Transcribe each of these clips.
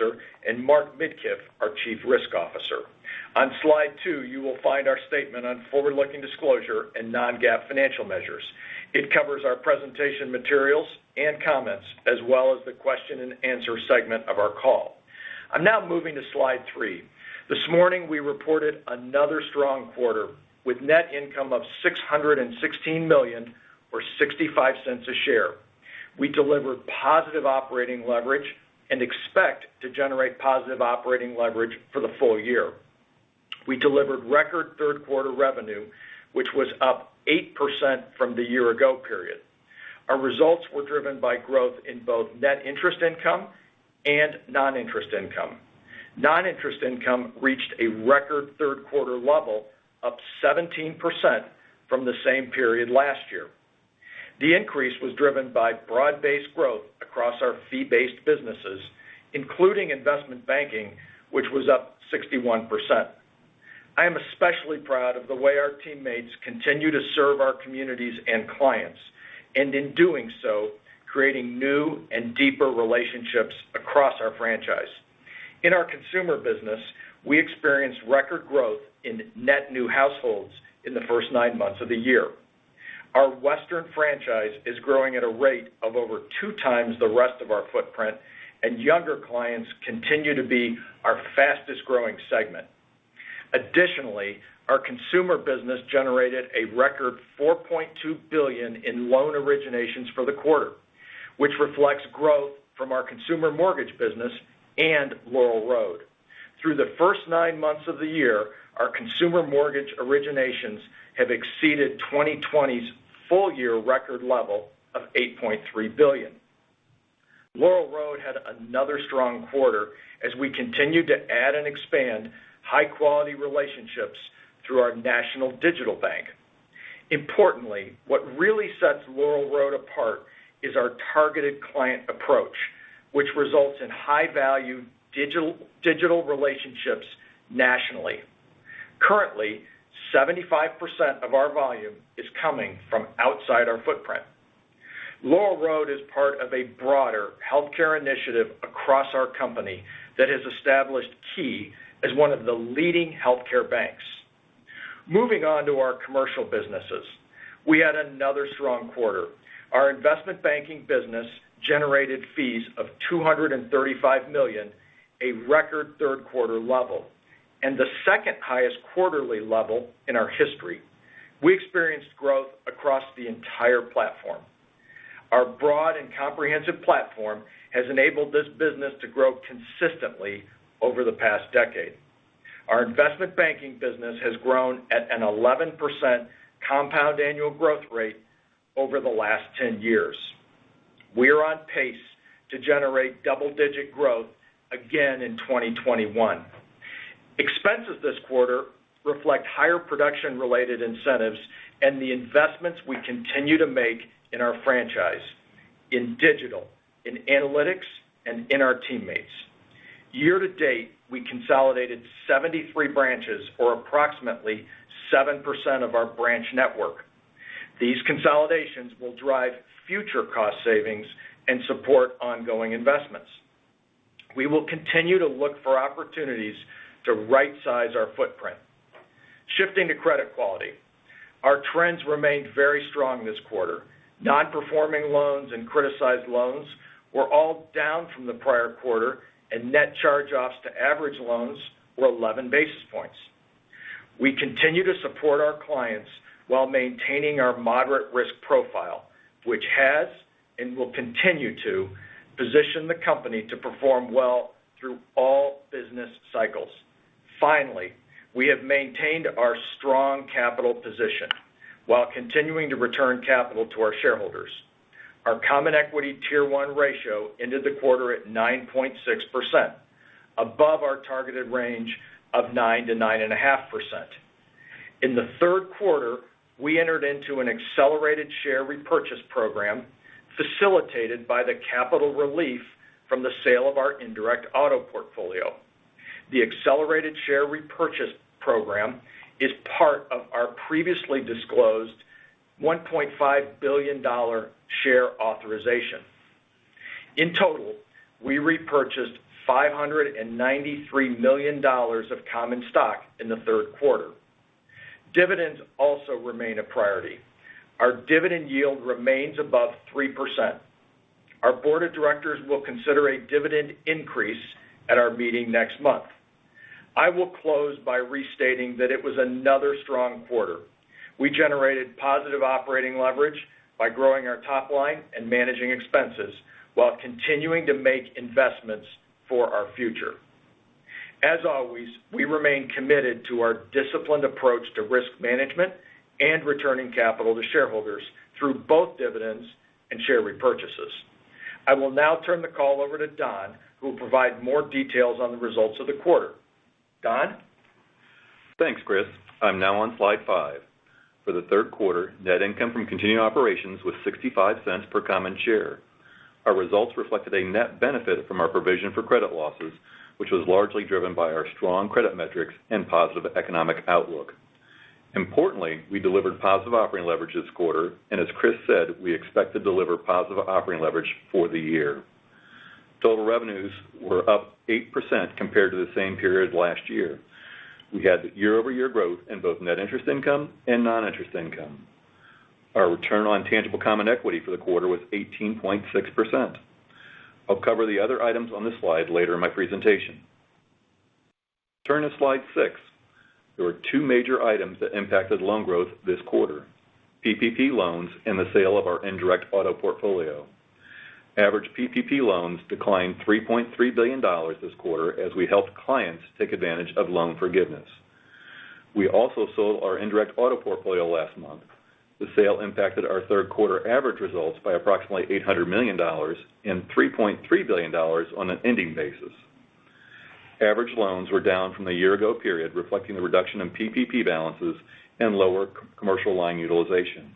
Officer, Mark Midkiff, our Chief Risk Officer. On slide 2, you will find our statement on forward-looking disclosure and non-GAAP financial measures. It covers our presentation materials and comments, as well as the question and answer segment of our call. I'm now moving to slide 3. This morning, we reported another strong quarter with net income of $616 million or $0.65 a share. We delivered positive operating leverage and expect to generate positive operating leverage for the full year. We delivered record third-quarter revenue, which was up 8% from the year-ago period. Our results were driven by growth in both net interest income and non-interest income. Non-interest income reached a record third-quarter level, up 17% from the same period last year. The increase was driven by broad-based growth across our fee-based businesses, including investment banking, which was up 61%. I am especially proud of the way our teammates continue to serve our communities and clients, and in doing so, creating new and deeper relationships across our franchise. In our consumer business, we experienced record growth in net new households in the first nine months of the year. Our Western franchise is growing at a rate of over two times the rest of our footprint. Younger clients continue to be our fastest-growing segment. Our consumer business generated a record $4.2 billion in loan originations for the quarter, which reflects growth from our consumer mortgage business and Laurel Road. Through the first nine months of the year, our consumer mortgage originations have exceeded 2020's full-year record level of $8.3 billion. Laurel Road had another strong quarter as we continued to add and expand high-quality relationships through our national digital bank. Importantly, what really sets Laurel Road apart is our targeted client approach, which results in high-value digital relationships nationally. Currently, 75% of our volume is coming from outside our footprint. Laurel Road is part of a broader healthcare initiative across our company that has established Key as one of the leading healthcare banks. Moving on to our commercial businesses, we had another strong quarter. Our investment banking business generated fees of $235 million, a record third quarter level, and the second-highest quarterly level in our history. We experienced growth across the entire platform. Our broad and comprehensive platform has enabled this business to grow consistently over the past decade. Our investment banking business has grown at an 11% compound annual growth rate over the last 10 years. We are on pace to generate double-digit growth again in 2021. Expenses this quarter reflect higher production-related incentives and the investments we continue to make in our franchise, in digital, in analytics, and in our teammates. Year to date, we consolidated 73 branches, or approximately 7% of our branch network. These consolidations will drive future cost savings and support ongoing investments. We will continue to look for opportunities to rightsize our footprint. Shifting to credit quality, our trends remained very strong this quarter. Non-performing loans and criticized loans were all down from the prior quarter, and net charge-offs to average loans were 11 basis points. We continue to support our clients while maintaining our moderate risk profile, which has and will continue to position the company to perform well through all business cycles. Finally, we have maintained our strong capital position while continuing to return capital to our shareholders. Our common equity Tier 1 ratio ended the quarter at 9.6%, above our targeted range of 9%-9.5%. In the third quarter, we entered into an accelerated share repurchase program facilitated by the capital relief from the sale of our indirect auto portfolio. The accelerated share repurchase program is part of our previously disclosed $1.5 billion share authorization. In total, we repurchased $593 million of common stock in the third quarter. Dividends also remain a priority. Our dividend yield remains above 3%. Our board of directors will consider a dividend increase at our meeting next month. I will close by restating that it was another strong quarter. We generated positive operating leverage by growing our top line and managing expenses while continuing to make investments for our future. As always, we remain committed to our disciplined approach to risk management and returning capital to shareholders through both dividends and share repurchases. I will now turn the call over to Don, who will provide more details on the results of the quarter. Don? Thanks, Chris. I'm now on slide 5. For the third quarter, net income from continuing operations was $0.65 per common share. Our results reflected a net benefit from our provision for credit losses, which was largely driven by our strong credit metrics and positive economic outlook. Importantly, we delivered positive operating leverage this quarter, and as Chris said, we expect to deliver positive operating leverage for the year. Total revenues were up 8% compared to the same period last year. We had year-over-year growth in both net interest income and non-interest income. Our return on tangible common equity for the quarter was 18.6%. I'll cover the other items on this slide later in my presentation. Turning to slide 6. There were two major items that impacted loan growth this quarter, PPP loans and the sale of our indirect auto portfolio. Average PPP loans declined $3.3 billion this quarter as we helped clients take advantage of loan forgiveness. We also sold our indirect auto portfolio last month. The sale impacted our third quarter average results by approximately $800 million and $3.3 billion on an ending basis. Average loans were down from the year ago period, reflecting the reduction in PPP balances and lower commercial line utilization.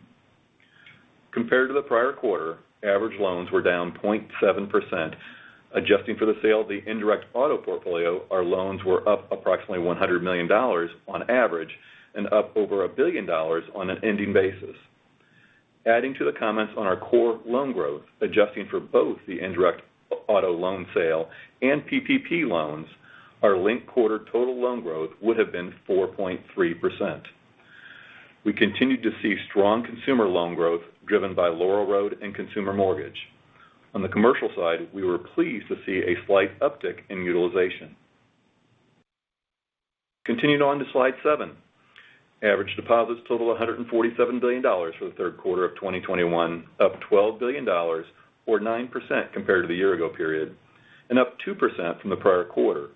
Compared to the prior quarter, average loans were down 0.7%. Adjusting for the sale of the indirect auto portfolio, our loans were up approximately $100 million on average and up over $1 billion on an ending basis. Adding to the comments on our core loan growth, adjusting for both the indirect auto loan sale and PPP loans, our linked quarter total loan growth would have been 4.3%. We continued to see strong consumer loan growth driven by Laurel Road and consumer mortgage. On the commercial side, we were pleased to see a slight uptick in utilization. Continuing on to slide seven. Average deposits totaled $147 billion for the third quarter of 2021, up $12 billion or 9% compared to the year-ago period, and up 2% from the prior quarter.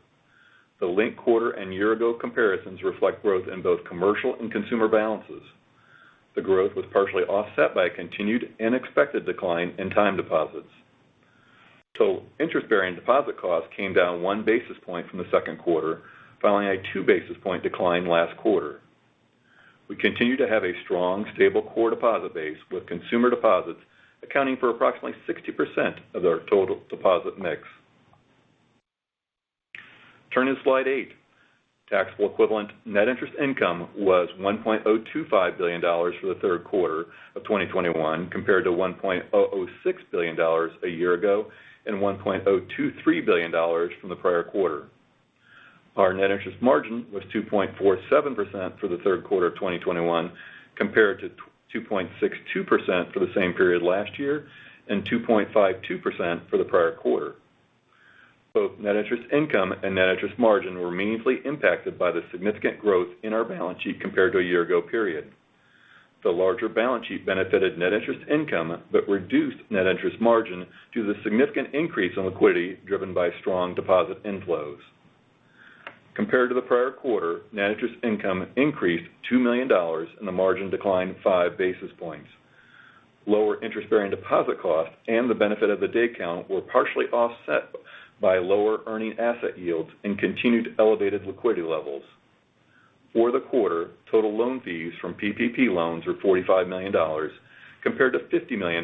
The linked-quarter and year-ago comparisons reflect growth in both commercial and consumer balances. The growth was partially offset by a continued and expected decline in time deposits. Interest-bearing deposit costs came down one basis point from the second quarter, following a two basis point decline last quarter. We continue to have a strong, stable core deposit base, with consumer deposits accounting for approximately 60% of our total deposit mix. Turning to slide eight. Taxable equivalent net interest income was $1.025 billion for the third quarter of 2021, compared to $1.006 billion a year ago and $1.023 billion from the prior quarter. Our net interest margin was 2.47% for the third quarter of 2021, compared to 2.62% for the same period last year and 2.52% for the prior quarter. Both net interest income and net interest margin were meaningfully impacted by the significant growth in our balance sheet compared to a year ago period. The larger balance sheet benefited net interest income but reduced net interest margin due to the significant increase in liquidity driven by strong deposit inflows. Compared to the prior quarter, net interest income increased $2 million and the margin declined five basis points. Lower interest-bearing deposit costs and the benefit of the day count were partially offset by lower earning asset yields and continued elevated liquidity levels. For the quarter, total loan fees from PPP loans were $45 million, compared to $50 million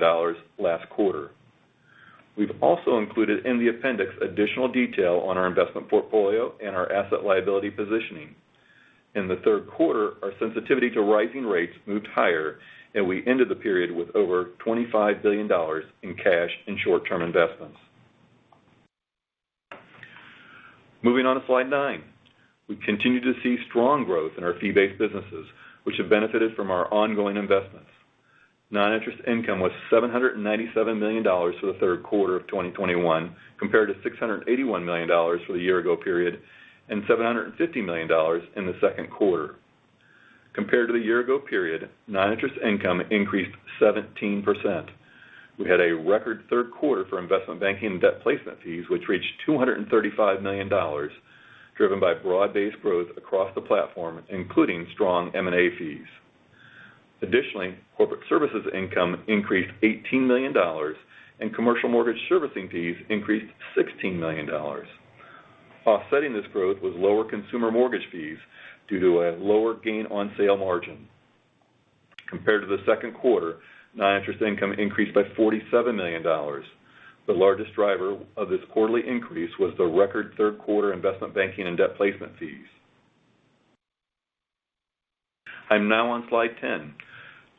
last quarter. We've also included in the appendix additional detail on our investment portfolio and our asset liability positioning. In the third quarter, our sensitivity to rising rates moved higher, and we ended the period with over $25 billion in cash and short-term investments. Moving on to slide 9. We continue to see strong growth in our fee-based businesses, which have benefited from our ongoing investments. Non-interest income was $797 million for the third quarter of 2021, compared to $681 million for the year-ago period and $750 million in the second quarter. Compared to the year-ago period, non-interest income increased 17%. We had a record third quarter for investment banking and debt placement fees, which reached $235 million, driven by broad-based growth across the platform, including strong M&A fees. Corporate services income increased $18 million, and commercial mortgage servicing fees increased $16 million. Offsetting this growth was lower consumer mortgage fees due to a lower gain on sale margin. Compared to the second quarter, non-interest income increased by $47 million. The largest driver of this quarterly increase was the record third quarter investment banking and debt placement fees. I'm now on slide 10.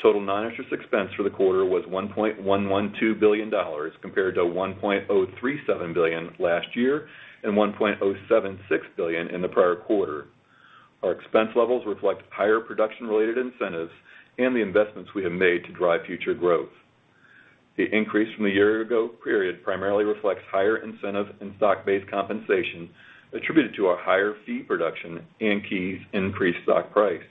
Total non-interest expense for the quarter was $1.112 billion, compared to $1.037 billion last year and $1.076 billion in the prior quarter. Our expense levels reflect higher production-related incentives and the investments we have made to drive future growth. The increase from the year ago period primarily reflects higher incentive and stock-based compensation attributed to our higher fee production and Key's increased stock price.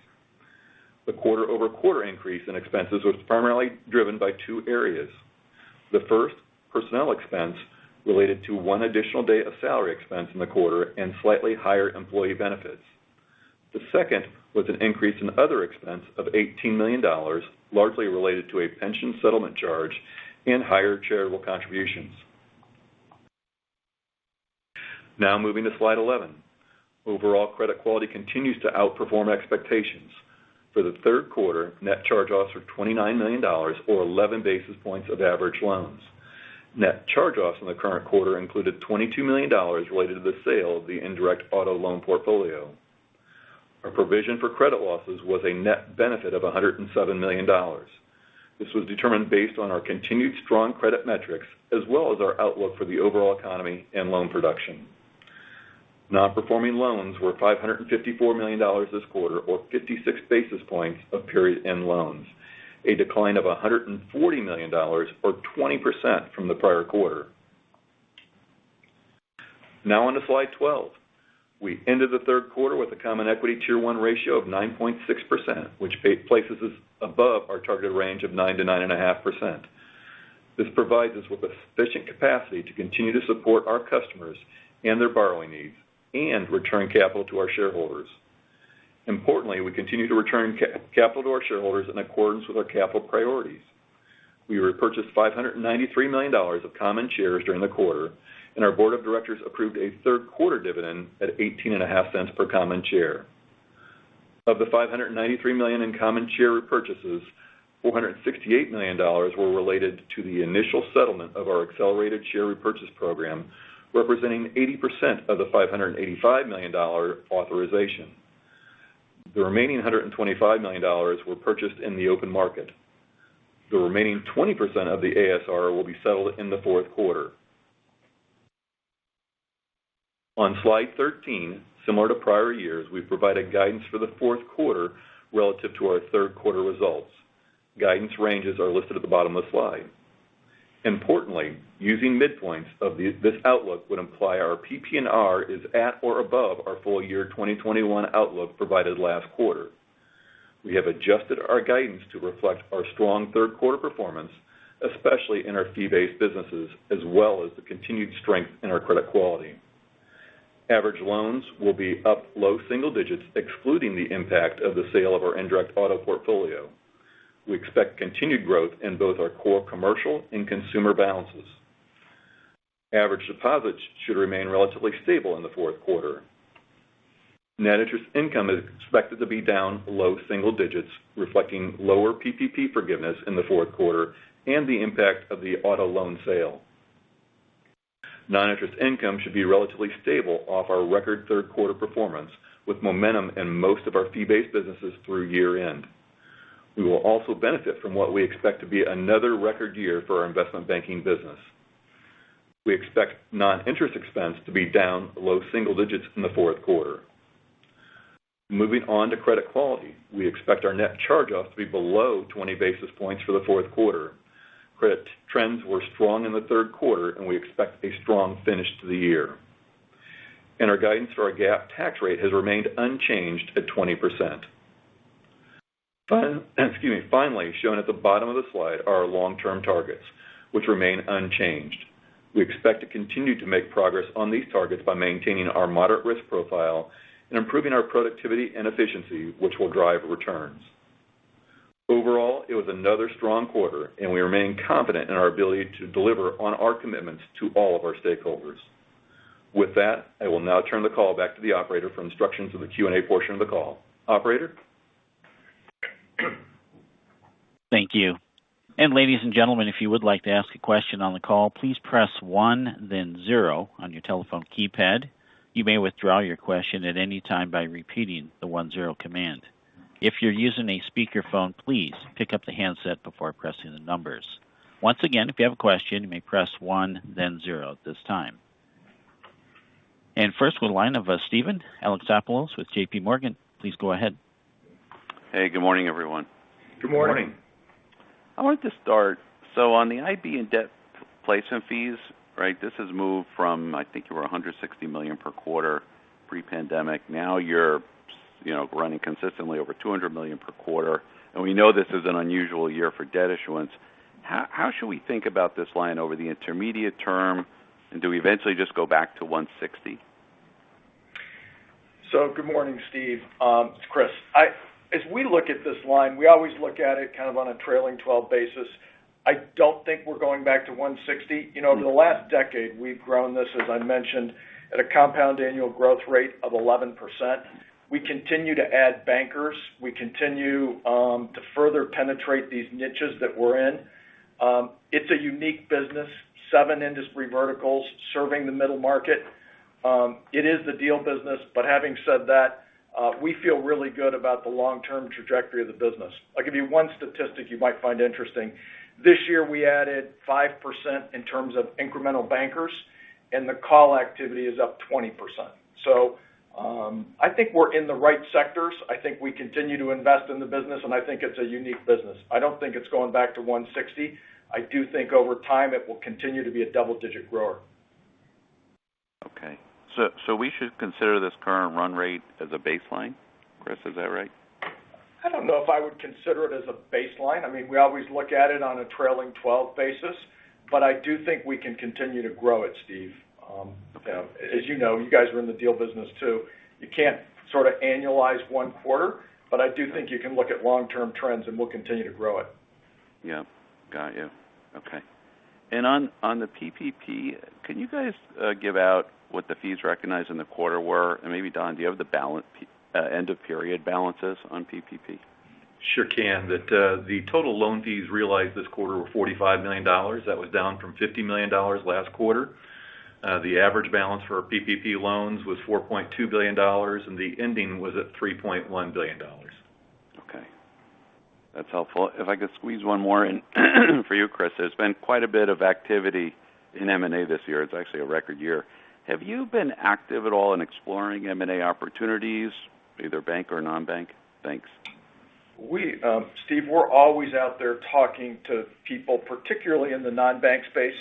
The quarter-over-quarter increase in expenses was primarily driven by two areas. The first, personnel expense related to one additional day of salary expense in the quarter and slightly higher employee benefits. The second was an increase in other expense of $18 million, largely related to a pension settlement charge and higher charitable contributions. Moving to slide 11. Overall credit quality continues to outperform expectations. For the third quarter, net charge-offs were $29 million, or 11 basis points of average loans. Net charge-offs in the current quarter included $22 million related to the sale of the indirect auto loan portfolio. Our provision for credit losses was a net benefit of $107 million. This was determined based on our continued strong credit metrics, as well as our outlook for the overall economy and loan production. Non-performing loans were $554 million this quarter, or 56 basis points of period end loans. A decline of $140 million or 20% from the prior quarter. Now on to slide 12. We ended the third quarter with a common equity Tier 1 ratio of 9.6%, which places us above our targeted range of 9%-9.5%. This provides us with sufficient capacity to continue to support our customers and their borrowing needs and return capital to our shareholders. Importantly, we continue to return capital to our shareholders in accordance with our capital priorities. We repurchased $593 million of common shares during the quarter, and our board of directors approved a third quarter dividend at $0.185 per common share. Of the $593 million in common share repurchases, $468 million were related to the initial settlement of our accelerated share repurchase program, representing 80% of the $585 million authorization. The remaining $125 million were purchased in the open market. The remaining 20% of the ASR will be settled in the fourth quarter. On slide 13, similar to prior years, we've provided guidance for the fourth quarter relative to our third quarter results. Guidance ranges are listed at the bottom of the slide. Importantly, using midpoints of this outlook would imply our PPNR is at or above our full year 2021 outlook provided last quarter. We have adjusted our guidance to reflect our strong third quarter performance, especially in our fee-based businesses, as well as the continued strength in our credit quality. Average loans will be up low single digits excluding the impact of the sale of our indirect auto portfolio. We expect continued growth in both our core commercial and consumer balances. Average deposits should remain relatively stable in the fourth quarter. Net interest income is expected to be down low single digits, reflecting lower PPP forgiveness in the fourth quarter and the impact of the auto loan sale. Non-interest income should be relatively stable off our record third quarter performance, with momentum in most of our fee-based businesses through year-end. We will also benefit from what we expect to be another record year for our investment banking business. We expect non-interest expense to be down low single digits in the fourth quarter. Moving on to credit quality. We expect our net charge-offs to be below 20 basis points for the fourth quarter. Credit trends were strong in the third quarter, and we expect a strong finish to the year. Our guidance for our GAAP tax rate has remained unchanged at 20%. Finally, shown at the bottom of the slide are our long-term targets, which remain unchanged. We expect to continue to make progress on these targets by maintaining our moderate risk profile and improving our productivity and efficiency, which will drive returns. Overall, it was another strong quarter, and we remain confident in our ability to deliver on our commitments to all of our stakeholders. With that, I will now turn the call back to the operator for instructions of the Q&A portion of the call. Operator? Thank you. And ladies and gentlemen if you would like to ask a question on the call, please press one then zero on your telephone keypad you may withdraw your question at any time by repeating the one, zero command. If you are using a speakerphone please pick up the handset before pressing the number. Once again if you have a question you may press one then zero this time. First with line of Steven Alexopoulos with JPMorgan. Please go ahead. Hey, good morning, everyone. Good morning. Good morning. I wanted to start. On the IB and debt placement fees, this has moved from, I think you were $160 million per quarter pre-pandemic. Now you're running consistently over $200 million per quarter, and we know this is an unusual year for debt issuance. How should we think about this line over the intermediate term, and do we eventually just go back to $160? Good morning, Steve. It's Chris. As we look at this line, we always look at it kind of on a trailing 12 basis. I don't think we're going back to $160. Over the last decade, we've grown this, as I mentioned, at a compound annual growth rate of 11%. We continue to add bankers. We continue to further penetrate these niches that we're in. It's a unique business, 7 industry verticals serving the middle market. It is the deal business, but having said that, we feel really good about the long-term trajectory of the business. I'll give you 1 statistic you might find interesting. This year, we added 5% in terms of incremental bankers, and the call activity is up 20%. I think we're in the right sectors. I think we continue to invest in the business, and I think it's a unique business. I don't think it's going back to $160. I do think over time it will continue to be a double-digit grower. Okay, we should consider this current run rate as a baseline, Chris, is that right? I don't know if I would consider it as a baseline. We always look at it on a trailing 12 basis, but I do think we can continue to grow it, Steve. As you know, you guys are in the deal business too. You can't sort of annualize one quarter, but I do think you can look at long-term trends, and we'll continue to grow it. Yeah. Got you. Okay. On the PPP, can you guys give out what the fees recognized in the quarter were? Maybe, Don, do you have the end of period balances on PPP? Sure can. The total loan fees realized this quarter were $45 million. That was down from $50 million last quarter. The average balance for our PPP loans was $4.2 billion, and the ending was at $3.1 billion. Okay. That's helpful. If I could squeeze one more in for you, Chris. There's been quite a bit of activity in M&A this year. It's actually a record year. Have you been active at all in exploring M&A opportunities, either bank or non-bank? Thanks. Steve, we're always out there talking to people, particularly in the non-bank space.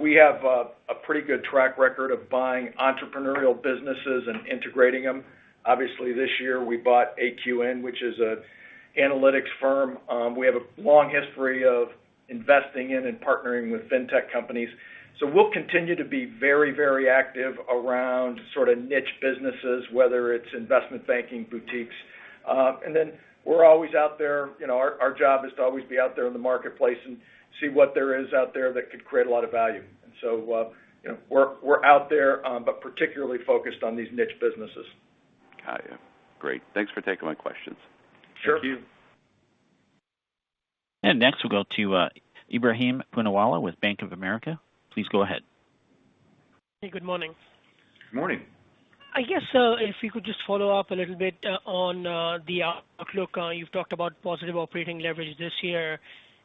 We have a pretty good track record of buying entrepreneurial businesses and integrating them. Obviously, this year we bought AQN, which is an analytics firm. We have a long history of investing in and partnering with fintech companies. We'll continue to be very active around niche businesses, whether it's investment banking boutiques. Our job is to always be out there in the marketplace and see what there is out there that could create a lot of value. We're out there, but particularly focused on these niche businesses. Got you. Great. Thanks for taking my questions. Sure. Thank you. Next, we'll go to Ebrahim Poonawala with Bank of America. Please go ahead. Hey, good morning. Good morning. I guess, if we could just follow up a little bit on the outlook. You've talked about positive operating leverage this year.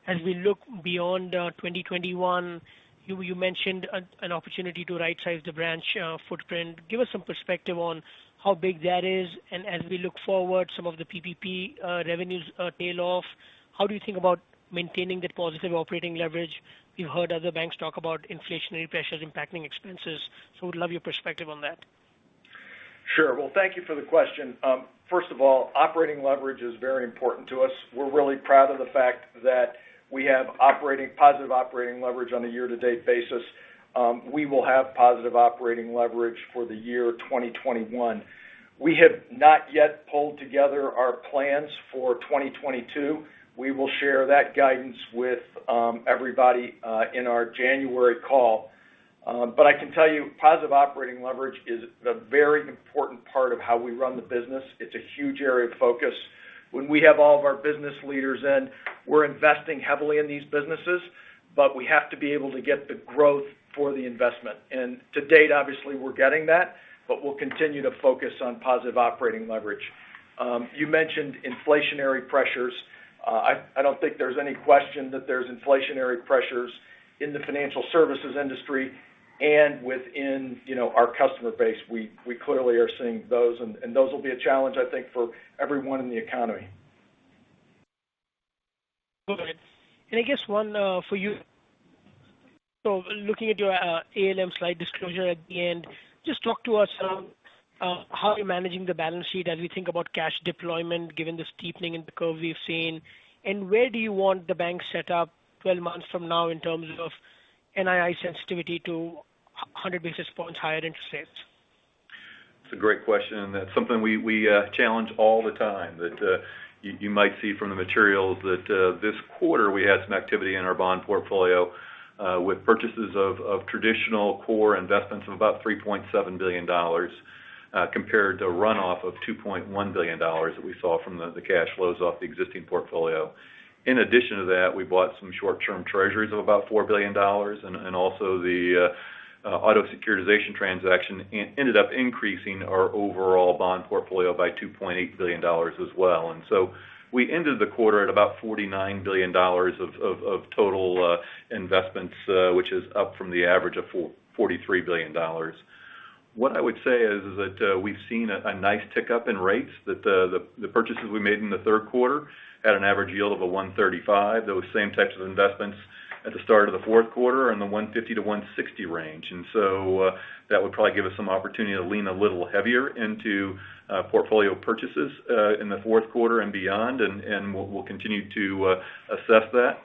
As we look beyond 2021, you mentioned an opportunity to rightsize the branch footprint. Give us some perspective on how big that is. As we look forward, some of the PPP revenues tail off, how do you think about maintaining that positive operating leverage? We've heard other banks talk about inflationary pressures impacting expenses, would love your perspective on that. Sure. Well, thank you for the question. First of all, operating leverage is very important to us. We're really proud of the fact that we have positive operating leverage on a year-to-date basis. We will have positive operating leverage for the year 2021. We have not yet pulled together our plans for 2022. We will share that guidance with everybody in our January call. I can tell you, positive operating leverage is a very important part of how we run the business. It's a huge area of focus. When we have all of our business leaders in, we're investing heavily in these businesses, but we have to be able to get the growth for the investment. To date, obviously, we're getting that, but we'll continue to focus on positive operating leverage. You mentioned inflationary pressures. I don't think there's any question that there's inflationary pressures in the financial services industry and within our customer base. We clearly are seeing those, and those will be a challenge, I think, for everyone in the economy. Okay. I guess one for you. Looking at your ALM slide disclosure at the end, just talk to us around how you're managing the balance sheet as we think about cash deployment given the steepening in the curve we've seen. Where do you want the bank set up 12-months from now in terms of NII sensitivity to 100-basis points higher interest rates? It's a great question, and that's something we challenge all the time. You might see from the materials that this quarter we had some activity in our bond portfolio with purchases of traditional core investments of about $3.7 billion, compared to runoff of $2.1 billion that we saw from the cash flows off the existing portfolio. In addition to that, we bought some short-term treasuries of about $4 billion, and also the auto securitization transaction ended up increasing our overall bond portfolio by $2.8 billion as well. We ended the quarter at about $49 billion of total investments, which is up from the average of $43 billion. What I would say is that we've seen a nice tick up in rates. The purchases we made in the third quarter at an average yield of 135. Those same types of investments at the start of the fourth quarter are in the 150-160 range. That would probably give us some opportunity to lean a little heavier into portfolio purchases in the fourth quarter and beyond, and we'll continue to assess that.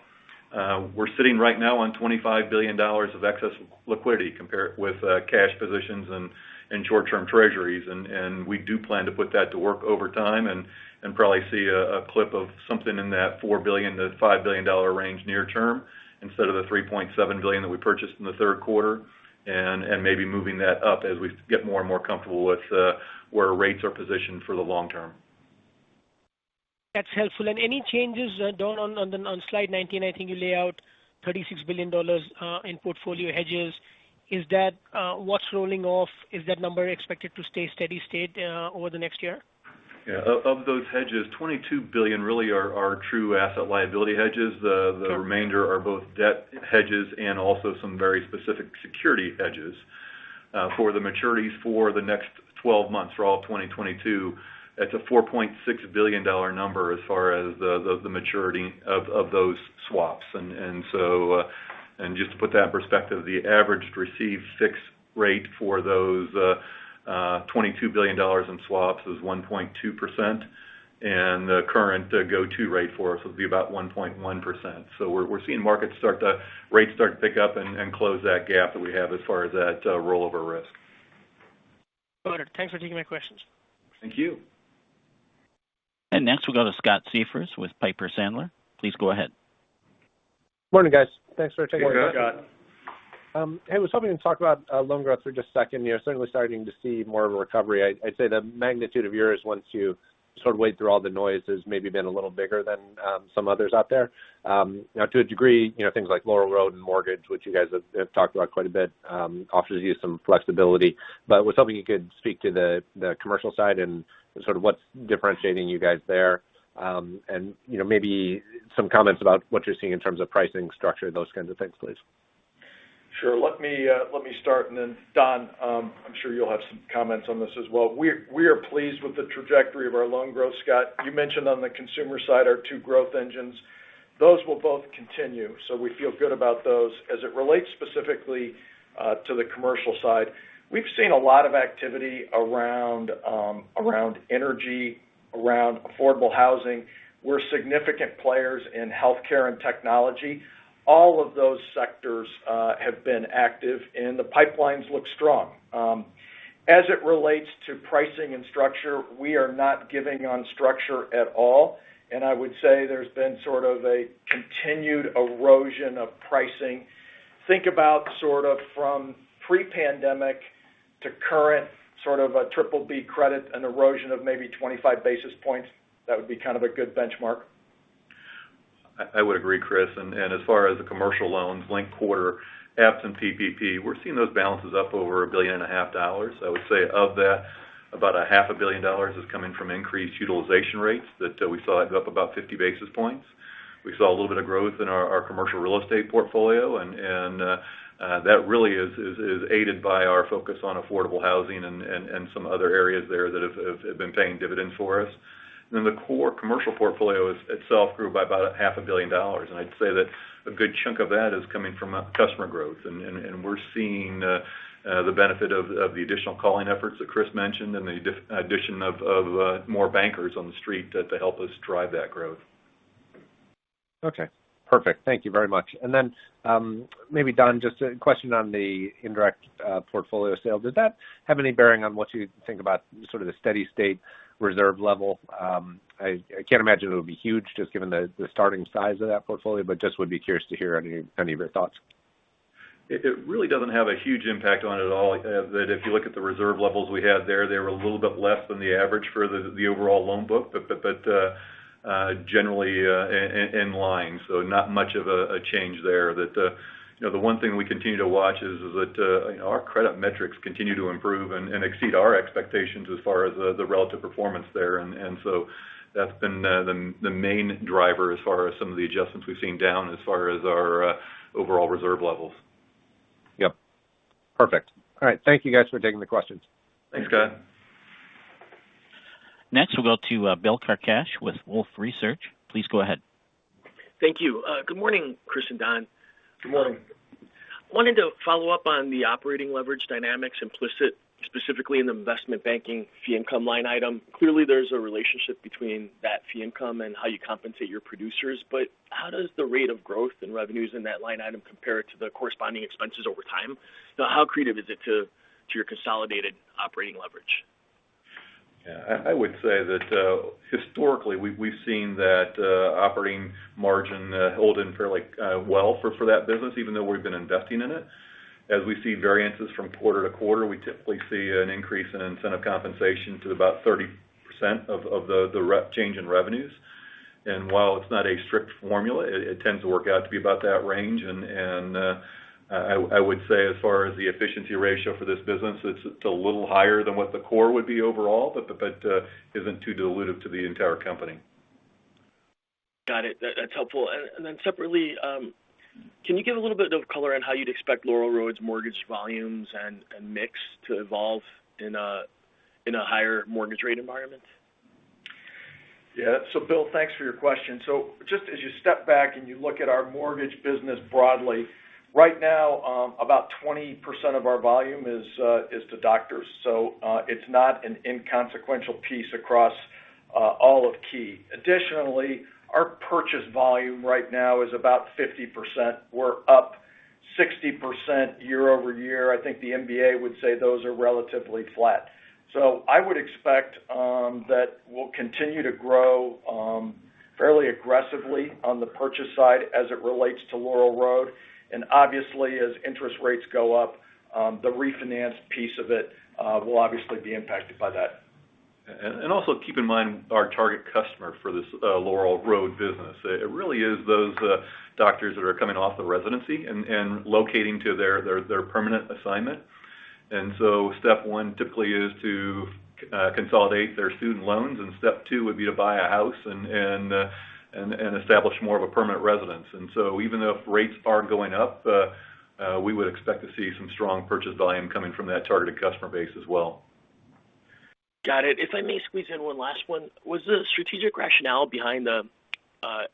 We're sitting right now on $25 billion of excess liquidity compared with cash positions and short-term treasuries, and we do plan to put that to work over time and probably see a clip of something in that $4 billion-$5 billion range near term instead of the $3.7 billion that we purchased in the third quarter, and maybe moving that up as we get more and more comfortable with where rates are positioned for the long term. That's helpful. Any changes down on slide 19, I think you lay out $36 billion in portfolio hedges. What's rolling off? Is that number expected to stay steady state over the next year? Yeah. Of those hedges, $22 billion really are true asset liability hedges. The remainder are both debt hedges and also some very specific security hedges. For the maturities for the next 12-months, for all of 2022, that's a $4.6 billion number as far as the maturity of those swaps. Just to put that in perspective, the average received fixed rate for those $22 billion in swaps is 1.2%, and the current go-to-rate for us would be about 1.1%. We're seeing rates start to pick up and close that gap that we have as far as that rollover risk. Got it. Thanks for taking my questions. Thank you. Next, we'll go to Scott Siefers with Piper Sandler. Please go ahead. Morning, guys. Thanks for taking my call. Morning, Scott. Hey, was hoping to talk about loan growth for just a second here. Starting to see more of a recovery. I'd say the magnitude of yours, once you sort of wade through all the noise, has maybe been a little bigger than some others out there. To a degree, things like Laurel Road and mortgage, which you guys have talked about quite a bit, offers you some flexibility. Was hoping you could speak to the commercial side and sort of what's differentiating you guys there. Maybe some comments about what you're seeing in terms of pricing structure, those kinds of things, please. Sure. Let me start, then Don, I'm sure you'll have some comments on this as well. We are pleased with the trajectory of our loan growth, Scott. You mentioned on the consumer side, our two growth engines. Those will both continue, we feel good about those. As it relates specifically to the commercial side, we've seen a lot of activity around energy, around affordable housing. We're significant players in healthcare and technology. All of those sectors have been active, the pipelines look strong. As it relates to pricing and structure, we are not giving on structure at all, I would say there's been sort of a continued erosion of pricing. Think about sort of from pre-pandemic to current, sort of a triple B credit, an erosion of maybe 25-basis points. That would be kind of a good benchmark. I would agree, Chris. As far as the commercial loans, linked quarter, absent PPP, we're seeing those balances up over a billion and a half dollars. I would say of that, about a half a billion dollars is coming from increased utilization rates that we saw it up about 50-basis points. We saw a little bit of growth in our commercial real estate portfolio, and that really is aided by our focus on affordable housing and some other areas there that have been paying dividends for us. The core commercial portfolio itself grew by about a half a billion dollars, and I'd say that a good chunk of that is coming from customer growth. We're seeing the benefit of the additional calling efforts that Chris mentioned and the addition of more bankers on the street to help us drive that growth. Okay, perfect. Thank you very much. Maybe Don, just a question on the indirect portfolio sale. Did that have any bearing on what you think about sort of the steady state reserve level? I can't imagine it'll be huge just given the starting size of that portfolio, but just would be curious to hear any of your thoughts. It really doesn't have a huge impact on it at all. If you look at the reserve levels we had there, they were a little bit less than the average for the overall loan book. Generally in line, so not much of a change there. The one thing we continue to watch is that our credit metrics continue to improve and exceed our expectations as far as the relative performance there. That's been the main driver as far as some of the adjustments we've seen down as far as our overall reserve levels. Yep. Perfect. All right. Thank you guys for taking the questions. Thanks, Scott. Next, we'll go to Bill Carcache with Wolfe Research. Please go ahead. Thank you. Good morning, Chris and Don. Good morning. Wanted to follow up on the operating leverage dynamics implicit specifically in the investment banking fee income line item. Clearly, there's a relationship between that fee income and how you compensate your producers, but how does the rate of growth and revenues in that line item compare to the corresponding expenses over time? How accretive is it to your consolidated operating leverage? Yeah, I would say that historically, we've seen that operating margin hold in fairly well for that business, even though we've been investing in it. As we see variances from quarter-to-quarter, we typically see an increase in incentive compensation to about 30% of the change in revenues. While it's not a strict formula, it tends to work out to be about that range. I would say as far as the efficiency ratio for this business, it's a little higher than what the core would be overall, but isn't too dilutive to the entire company. Got it. That's helpful. Separately, can you give a little bit of color on how you'd expect Laurel Road's mortgage volumes and mix to evolve in a higher mortgage rate environment? Yeah. Bill, thanks for your question. Just as you step back and you look at our mortgage business broadly, right now about 20% of our volume is to doctors. Additionally, our purchase volume right now is about 50%. We're up 60% year-over-year. I think the MBA would say those are relatively flat. I would expect that we'll continue to grow fairly aggressively on the purchase side as it relates to Laurel Road. Obviously, as interest rates go up, the refinance piece of it will obviously be impacted by that. Also keep in mind our target customer for this Laurel Road business. It really is those doctors that are coming off the residency and locating to their permanent assignment. Step one typically is to consolidate their student loans, and step two would be to buy a house and establish more of a permanent residence. Even if rates are going up, we would expect to see some strong purchase volume coming from that targeted customer base as well. Got it. If I may squeeze in one last one. Was the strategic rationale behind the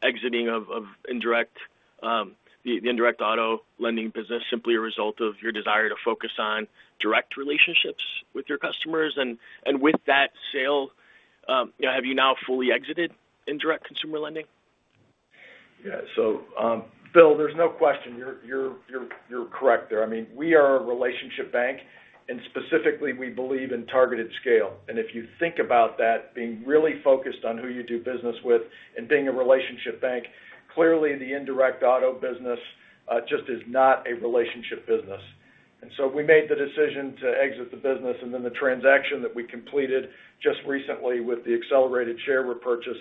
exiting of the indirect auto lending business simply a result of your desire to focus on direct relationships with your customers? With that sale, have you now fully exited indirect consumer lending? Yeah. Bill, there's no question. You're correct there. We are a relationship bank. Specifically, we believe in targeted scale. If you think about that, being really focused on who you do business with and being a relationship bank, clearly the indirect auto business just is not a relationship business. We made the decision to exit the business, and then the transaction that we completed just recently with the accelerated share repurchase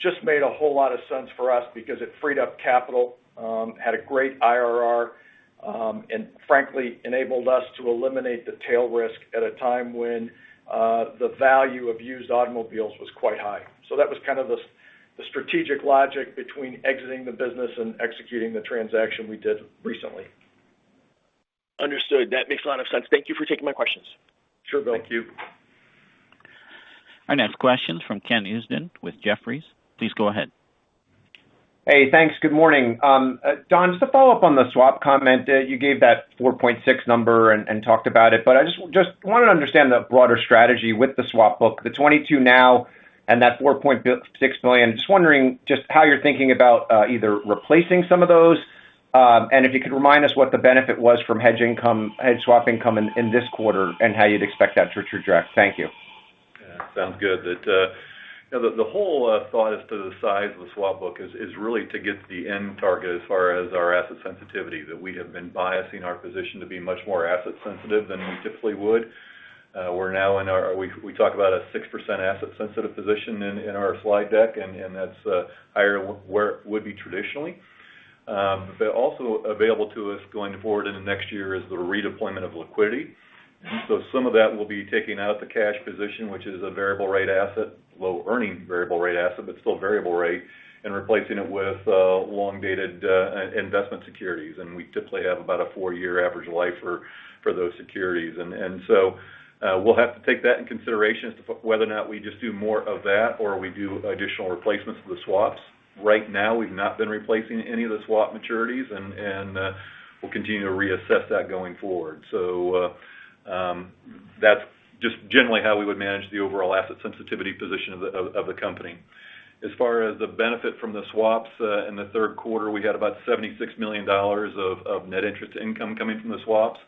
just made a whole lot of sense for us because it freed up capital, had a great IRR, and frankly, enabled us to eliminate the tail risk at a time when the value of used automobiles was quite high. That was kind of the strategic logic between exiting the business and executing the transaction we did recently. Understood. That makes a lot of sense. Thank you for taking my questions. Sure, Bill. Thank you. Our next question from Ken Usdin with Jefferies. Please go ahead. Hey, thanks. Good morning. Don, just a follow-up on the swap comment. You gave that 4.6 number and talked about it. I just wanted to understand the broader strategy with the swap book, the 22 now and that $4.6 million. Just wondering how you're thinking about either replacing some of those. If you could remind us what the benefit was from hedge swap income in this quarter, and how you'd expect that to traject. Thank you. Yeah. Sounds good. The whole thought as to the size of the swap book is really to get to the end target as far as our asset sensitivity, that we have been biasing our position to be much more asset sensitive than we typically would. We talk about a 6% asset sensitive position in our slide deck, and that's higher where it would be traditionally. Also available to us going forward into next year is the redeployment of liquidity. Some of that will be taking out the cash position, which is a variable rate asset, low earning variable rate asset, but still variable rate, and replacing it with long-dated investment securities. We typically have about a four year average life for those securities. We'll have to take that in consideration as to whether or not we just do more of that or we do additional replacements of the swaps. Right now, we've not been replacing any of the swap maturities, and we'll continue to reassess that going forward. That's just generally how we would manage the overall asset sensitivity position of the company. As far as the benefit from the swaps, in the third quarter, we had about $76 million of net interest income coming from the swaps.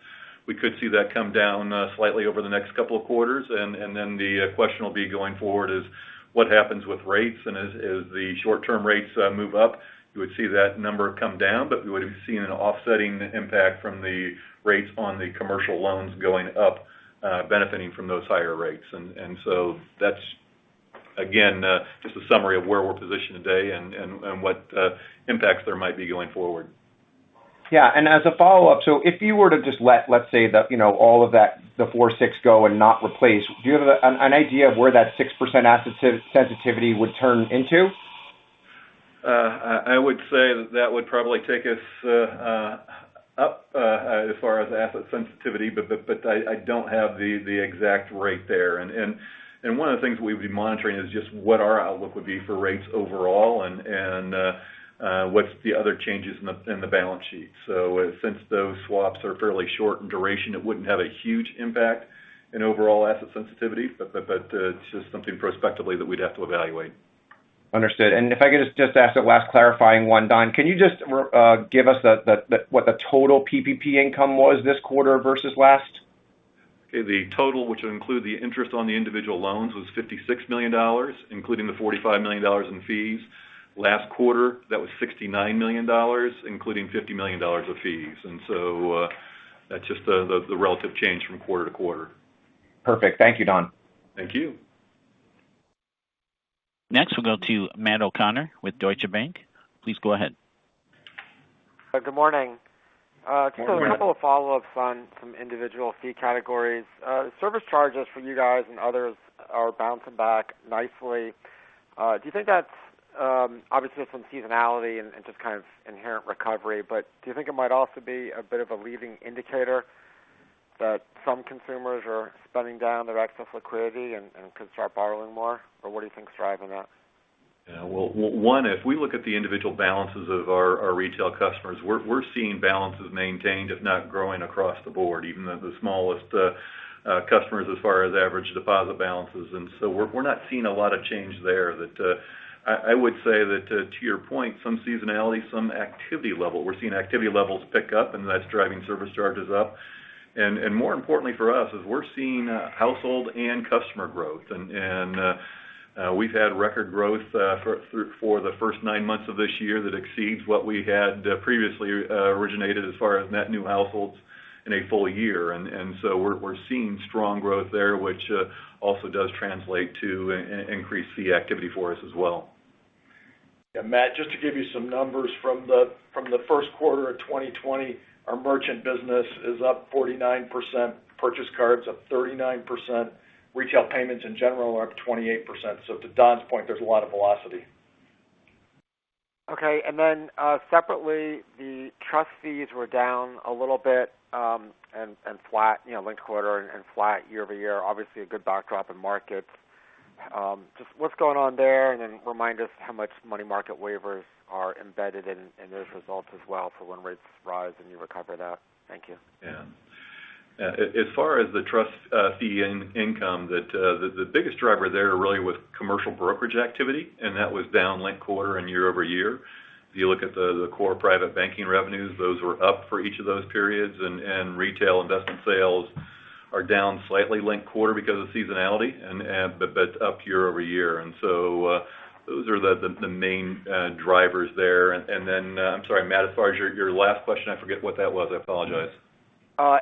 We could see that come down slightly over the next couple of quarters. The question will be going forward is what happens with rates? As the short-term rates move up, you would see that number come down, but we would've seen an offsetting impact from the rates on the commercial loans going up, benefiting from those higher rates. That's, again, just a summary of where we're positioned today and what impacts there might be going forward. Yeah. As a follow-up, if you were to just let's say, all of the 4.6 go and not replace, do you have an idea of where that 6% asset sensitivity would turn into? I would say that would probably take us up as far as asset sensitivity, but I don't have the exact rate there. One of the things we'd be monitoring is just what our outlook would be for rates overall and what's the other changes in the balance sheet. Since those swaps are fairly short in duration, it wouldn't have a huge impact in overall asset sensitivity, but it's just something prospectively that we'd have to evaluate. Understood. If I could just ask a last clarifying one, Don, can you just give us what the total PPP income was this quarter versus last? Okay. The total, which will include the interest on the individual loans, was $56 million, including the $45 million in fees. Last quarter, that was $69 million, including $50 million of fees. That's just the relative change from quarter-to-quarter. Perfect. Thank you, Don. Thank you. Next, we'll go to Matt O'Connor with Deutsche Bank. Please go ahead. Good morning. Morning, Matt. Just a couple of follow-ups on some individual fee categories. Service charges for you guys and others are bouncing back nicely. Obviously, there's some seasonality and just kind of inherent recovery, but do you think it might also be a bit of a leading indicator that some consumers are spending down their excess liquidity and could start borrowing more? What do you think is driving that? Well, one, if we look at the individual balances of our retail customers, we're seeing balances maintained, if not growing across the board, even the smallest customers as far as average deposit balances. We're not seeing a lot of change there. I would say that to your point, some seasonality, some activity level. We're seeing activity levels pick up, and that's driving service charges up. More importantly for us is we're seeing household and customer growth. We've had record growth for the first nine months of this year that exceeds what we had previously originated as far as net new households in a full year. We're seeing strong growth there, which also does translate to increased fee activity for us as well. Yeah, Matt, just to give you some numbers from the first quarter of 2020, our merchant business is up 49%, purchase cards up 39%, retail payments in general are up 28%. To Don's point, there's a lot of velocity. Okay. Separately, the trust fees were down a little bit linked quarter and flat year-over-year. Obviously, a good backdrop in markets. Just what's going on there? Remind us how much money market waivers are embedded in those results as well for when rates rise and you recover that. Thank you. Yeah. As far as the trust fee income, the biggest driver there really was commercial brokerage activity, and that was down linked quarter and year-over-year. If you look at the core private banking revenues, those were up for each of those periods. Retail investment sales are down slightly linked quarter because of seasonality, but up year-over-year. Those are the main drivers there. I'm sorry, Matt, as far as your last question, I forget what that was. I apologize.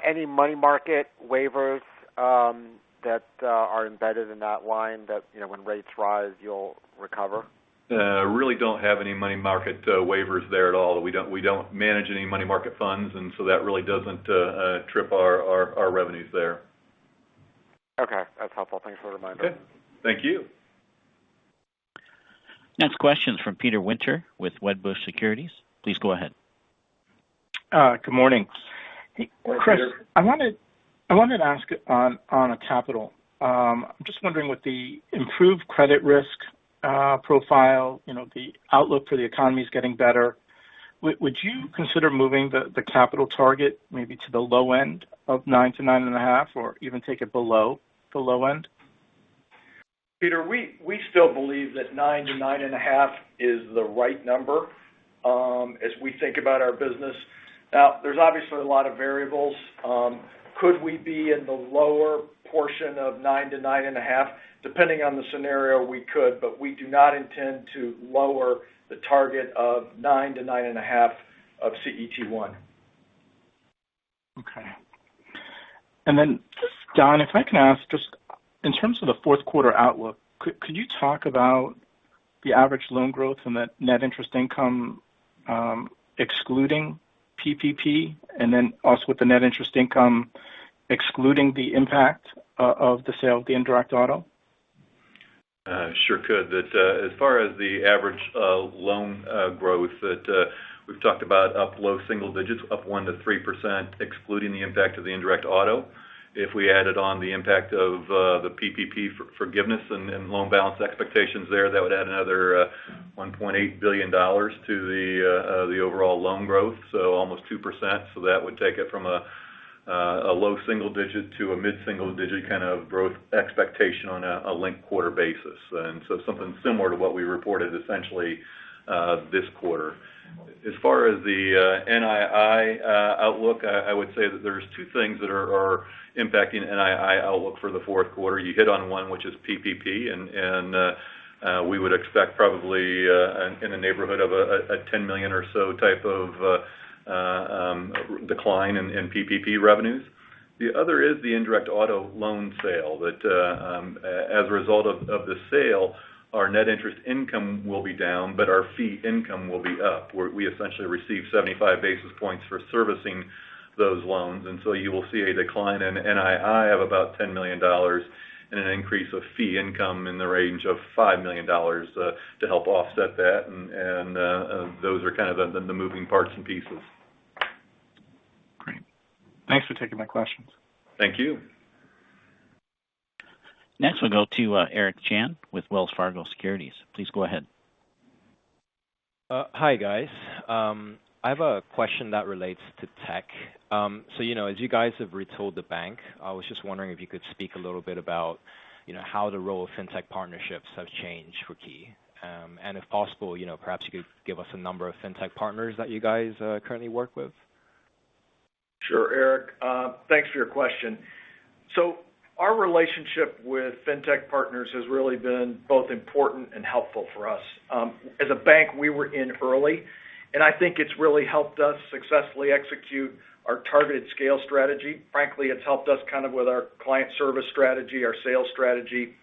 Any money market waivers that are embedded in that line that when rates rise, you'll recover? Really don't have any money market waivers there at all. We don't manage any money market funds, that really doesn't trip our revenues there. Okay. That's helpful. Thanks for the reminder. Okay. Thank you. Next question's from Peter Winter with Wedbush Securities. Please go ahead. Good morning. Morning, Peter. Chris, I wanted to ask on capital. I'm just wondering with the improved credit risk profile, the outlook for the economy is getting better. Would you consider moving the capital target maybe to the low end of 9%-9.5%, or even take it below the low end? Peter, we still believe that 9%-9.5% is the right number as we think about our business. There's obviously a lot of variables. Could we be in the lower portion of 9%-9.5%? Depending on the scenario, we could, we do not intend to lower the target of 9%-9.5% of CET 1. Okay. Just, Don, if I can ask just in terms of the fourth quarter outlook, could you talk about the average loan growth and the net interest income, excluding PPP, and then also with the net interest income, excluding the impact of the sale of the indirect auto? Sure could. As far as the average loan growth that we've talked about up low single digits, up 1%-3%, excluding the impact of the indirect auto. If we added on the impact of the PPP forgiveness and loan balance expectations there, that would add another $1.8 billion to the overall loan growth, so almost 2%. That would take it from a low single digit to a mid-single digit kind of growth expectation on a linked quarter basis. Something similar to what we reported essentially this quarter. As far as the NII outlook, I would say that there's two things that are impacting NII outlook for the fourth quarter. You hit on one, which is PPP, and we would expect probably in the neighborhood of a $10 million or so type of decline in PPP revenues. The other is the indirect auto loan sale, that as a result of the sale, our net interest income will be down, but our fee income will be up, where we essentially receive 75-basis points for servicing those loans. You will see a decline in NII of about $10 million and an increase of fee income in the range of $5 million to help offset that. Those are kind of the moving parts and pieces. Great. Thanks for taking my questions. Thank you. Next we'll go to Eric Chan with Wells Fargo Securities. Please go ahead. Hi, guys. I have a question that relates to tech. As you guys have retooled the bank, I was just wondering if you could speak a little bit about how the role of fintech partnerships have changed for Key. If possible, perhaps you could give us a number of fintech partners that you guys currently work with. Sure, Eric. Thanks for your question. Our relationship with fintech partners has really been both important and helpful for us. As a bank, we were in early, and I think it's really helped us successfully execute our targeted scale strategy. Frankly, it's helped us kind of with our client service strategy, our sales strategy.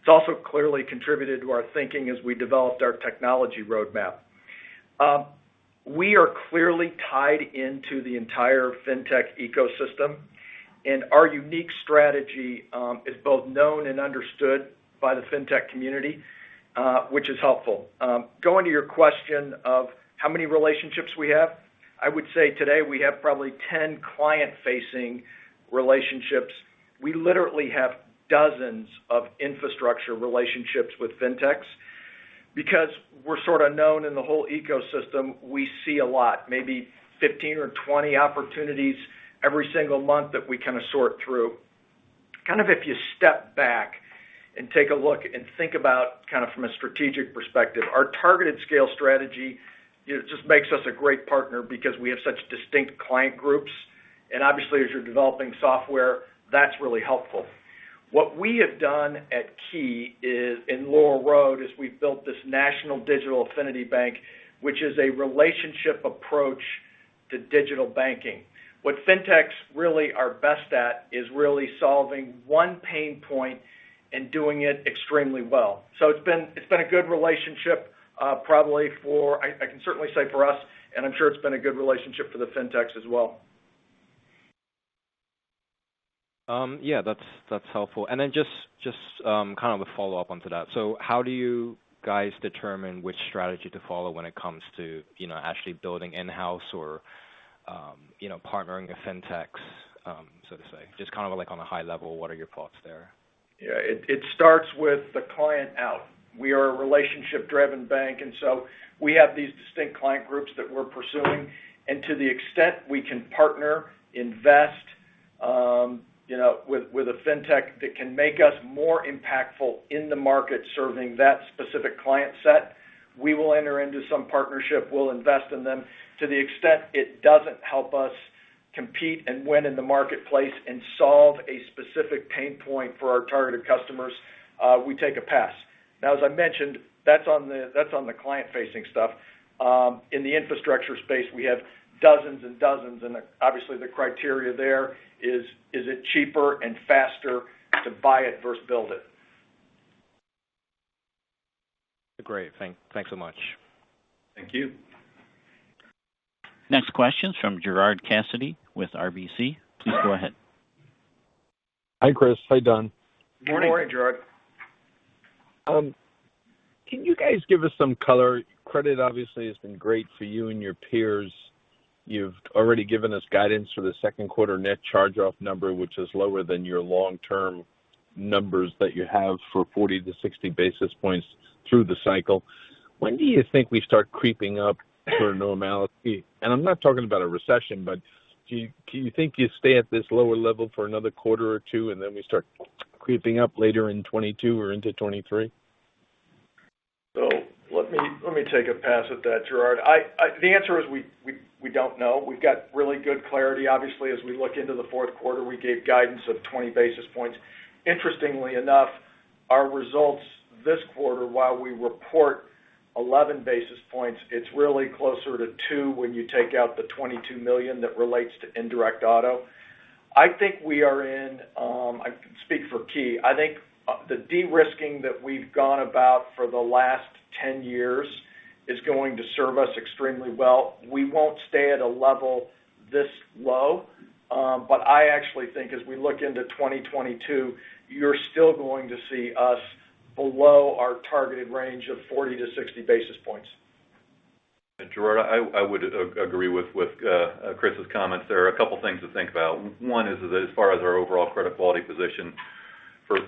It's also clearly contributed to our thinking as we developed our technology roadmap. We are clearly tied into the entire fintech ecosystem, and our unique strategy is both known and understood by the fintech community, which is helpful. Going to your question of how many relationships we have, I would say today we have probably 10 client-facing relationships. We literally have dozens of infrastructure relationships with fintechs. Because we're sort of known in the whole ecosystem, we see a lot, maybe 15 or 20 opportunities every single month that we kind of sort through. Kind of if you step back and take a look and think about kind of from a strategic perspective, our targeted scale strategy just makes us a great partner because we have such distinct client groups. Obviously as you're developing software, that's really helpful. What we have done at Key is in Laurel Road is we've built this national digital affinity bank, which is a relationship approach to digital banking. What fintechs really are best at is really solving one pain point and doing it extremely well. It's been a good relationship, I can certainly say for us, and I'm sure it's been a good relationship for the fintechs as well. Yeah, that's helpful. Then just kind of a follow-up onto that. How do you guys determine which strategy to follow when it comes to actually building in-house or partnering with fintechs, so to say? Just kind of like on a high level, what are your thoughts there? Yeah. It starts with the client out. We are a relationship-driven bank. We have these distinct client groups that we're pursuing. To the extent we can partner, invest with a fintech that can make us more impactful in the market serving that specific client set. We will enter into some partnership. We'll invest in them. To the extent it doesn't help us compete and win in the marketplace and solve a specific pain point for our targeted customers, we take a pass. As I mentioned, that's on the client-facing stuff. In the infrastructure space, we have dozens and dozens, and obviously the criteria there is it cheaper and faster to buy it versus build it? Great. Thanks so much. Thank you. Next question's from Gerard Cassidy with RBC. Please go ahead. Hi, Chris. Hi, Don. Morning. Morning. Can you guys give us some color? Credit obviously has been great for you and your peers. You've already given us guidance for the second quarter net charge-off number, which is lower than your long-term numbers that you have for 40-60 basis points through the cycle. When do you think we start creeping up for normality? I'm not talking about a recession, but do you think you stay at this lower level for another quarter or two, and then we start creeping up later in 2022 or into 2023? Let me take a pass at that, Gerard. The answer is we don't know. We've got really good clarity, obviously, as we look into the fourth quarter. We gave guidance of 20 basis points. Interestingly enough, our results this quarter, while we report 11 basis points, it is really closer to two when you take out the $22 million that relates to indirect auto. I can speak for Key. I think the de-risking that we've gone about for the last 10-years is going to serve us extremely well. We will not stay at a level this low. I actually think as we look into 2022, you are still going to see us below our targeted range of 40-60 basis points. Gerard, I would agree with Chris's comments. There are a couple things to think about. One is that as far as our overall credit quality position,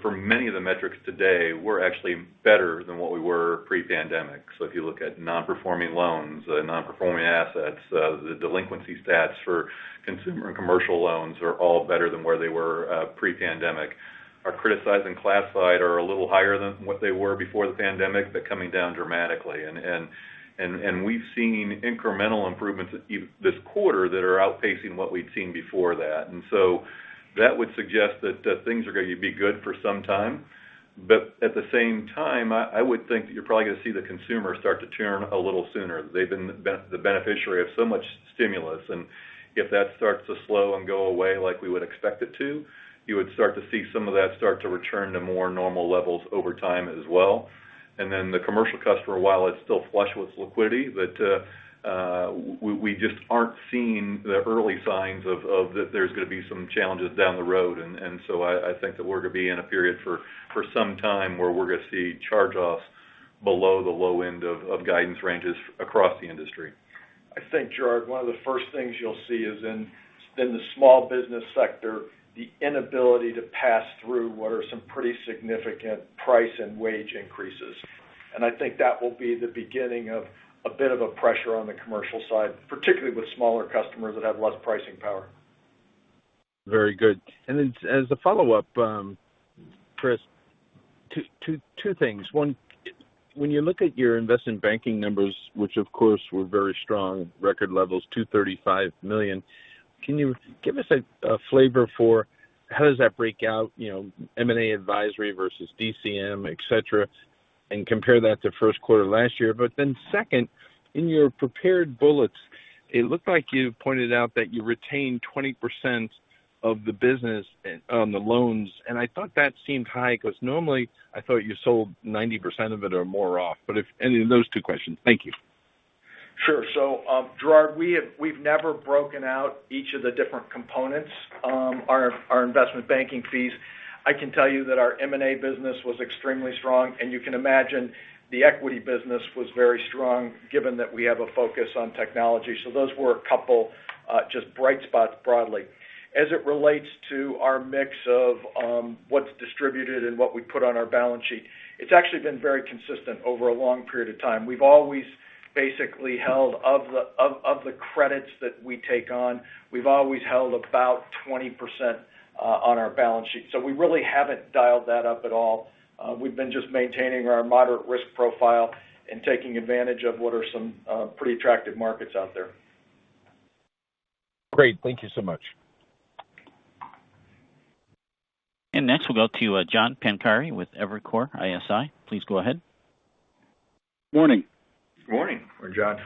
for many of the metrics today, we're actually better than what we were pre-pandemic. If you look at non-performing loans, non-performing assets the delinquency stats for consumer and commercial loans are all better than where they were pre-pandemic. Our criticized and classified are a little higher than what they were before the pandemic, but coming down dramatically. We've seen incremental improvements this quarter that are outpacing what we'd seen before that. That would suggest that things are going to be good for some time. At the same time, I would think that you're probably going to see the consumer start to turn a little sooner. They've been the beneficiary of so much stimulus. If that starts to slow and go away like we would expect it to, you would start to see some of that start to return to more normal levels over time as well. Then the commercial customer, while it's still flush with liquidity, but we just aren't seeing the early signs of there's going to be some challenges down the road. So I think that we're going to be in a period for some time where we're going to see charge-offs below the low end of guidance ranges across the industry. I think, Gerard, one of the first things you'll see is in the small business sector, the inability to pass through what are some pretty significant price and wage increases. I think that will be the beginning of a bit of a pressure on the commercial side, particularly with smaller customers that have less pricing power. Very good. As a follow-up, Chris, two things. One, when you look at your investment banking numbers, which of course were very strong, record levels, $235 million. Can you give us a flavor for how does that break out? M&A advisory versus DCM, et cetera, and compare that to first quarter last year. Second, in your prepared bullets, it looked like you pointed out that you retained 20% of the business on the loans, and I thought that seemed high because normally I thought you sold 90% of it or more off. Thank you. Gerard, we've never broken out each of the different components our investment banking fees. I can tell you that our M&A business was extremely strong, and you can imagine the equity business was very strong given that we have a focus on technology. Those were a couple just bright spots broadly. As it relates to our mix of what's distributed and what we put on our balance sheet, it's actually been very consistent over a long period of time. We've always basically held of the credits that we take on. We've always held about 20% on our balance sheet. We really haven't dialed that up at all. We've been just maintaining our moderate risk profile and taking advantage of what are some pretty attractive markets out there. Great. Thank you so much. Next we'll go to John Pancari with Evercore ISI. Please go ahead. Morning. Morning, John.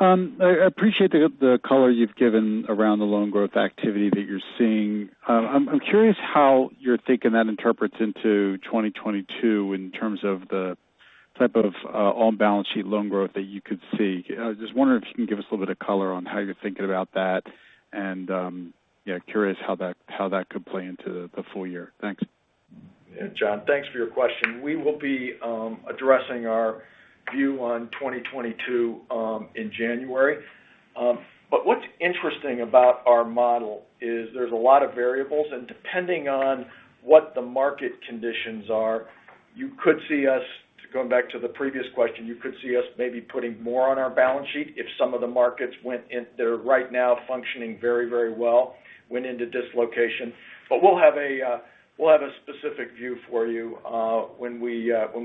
I appreciate the color you've given around the loan growth activity that you're seeing. I'm curious how you're thinking that interprets into 2022 in terms of the type of on-balance sheet loan growth that you could see. I was just wondering if you can give us a little bit of color on how you're thinking about that and yeah, curious how that could play into the full year. Thanks. Yeah. John, thanks for your question. We will be addressing our view on 2022 in January. What's interesting about our model is there's a lot of variables, and depending on what the market conditions are, to going back to the previous question, you could see us maybe putting more on our balance sheet if some of the markets, they're right now functioning very well, went into dislocation. We'll have a specific view for you when we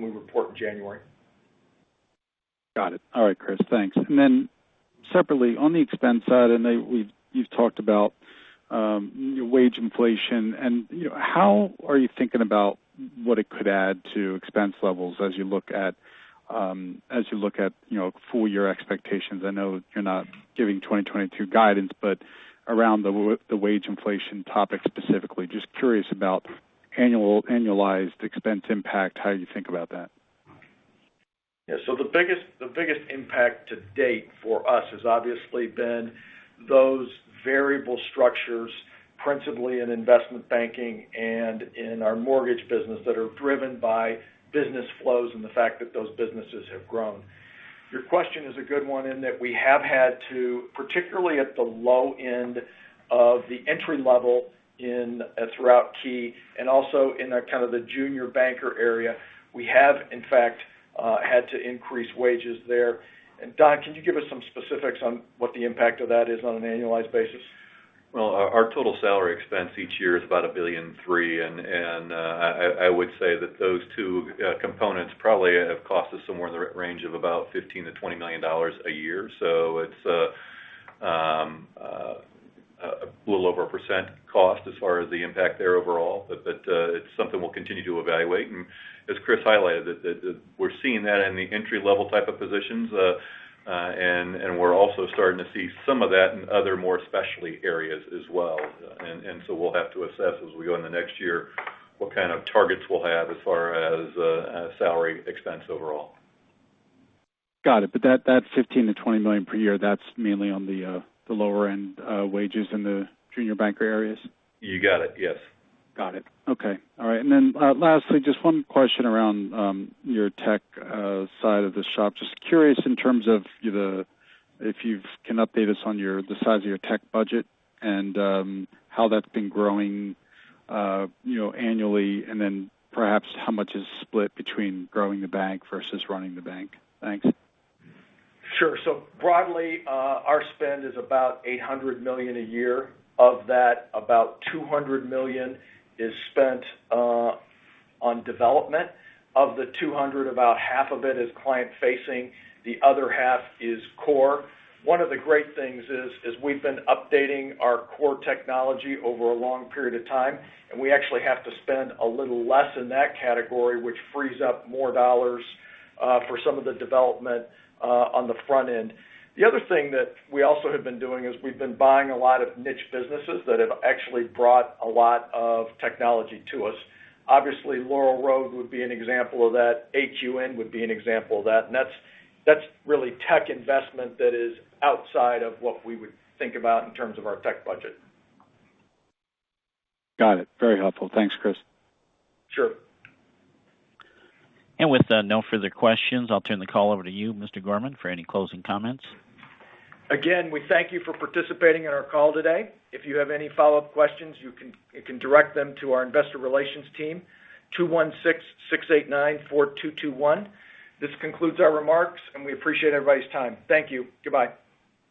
report in January. Got it. All right, Chris, thanks. Separately, on the expense side, I know you've talked about wage inflation. How are you thinking about what it could add to expense levels as you look at full-year expectations? I know you're not giving 2022 guidance, but around the wage inflation topic specifically, just curious about annualized expense impact, how you think about that. Yeah. The biggest impact to date for us has obviously been those variable structures, principally in investment banking and in our mortgage business, that are driven by business flows and the fact that those businesses have grown. Your question is a good one in that we have had to, particularly at the low end of the entry level and throughout Key and also in our kind of the junior banker area, we have in fact had to increase wages there. Don, can you give us some specifics on what the impact of that is on an annualized basis? Well, our total salary expense each year is about $1.3 billion, I would say that those two components probably have cost us somewhere in the range of about $15 million-$20 million a year. It's a little over 1% cost as far as the impact there overall. It's something we'll continue to evaluate. As Chris highlighted, we're seeing that in the entry level type of positions. We're also starting to see some of that in other more specialty areas as well. We'll have to assess as we go in the next year what kind of targets we'll have as far as salary expense overall. Got it. That $15 million-$20 million per year, that's mainly on the lower end wages in the junior banker areas? You got it. Yes. Got it. Okay. All right. Lastly, just one question around your tech side of the shop. Just curious in terms of if you can update us on the size of your tech budget and how that's been growing annually, and then perhaps how much is split between growing the bank versus running the bank. Thanks. Sure. Broadly, our spend is about $800 million a year. Of that, about $200 million is spent on development. Of the 200, about half of it is client facing, the other half is core. One of the great things is we've been updating our core technology over a long period of time, we actually have to spend a little less in that category, which frees up more dollars for some of the development on the front end. The other thing that we also have been doing is we've been buying a lot of niche businesses that have actually brought a lot of technology to us. Obviously, Laurel Road would be an example of that. AQN would be an example of that. That's really tech investment that is outside of what we would think about in terms of our tech budget. Got it. Very helpful. Thanks, Chris. Sure. With no further questions, I'll turn the call over to you, Mr. Gorman, for any closing comments. Again, we thank you for participating in our call today. If you have any follow-up questions, you can direct them to our investor relations team, 216-689-4221. This concludes our remarks, and we appreciate everybody's time. Thank you. Goodbye.